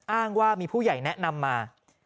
อ้างว่ามีผู้ใหญ่แนะนำมา